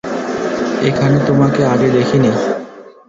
এখানে তোমাকে আগে দেখিনি।